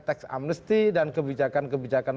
teks amnesty dan kebijakan kebijakan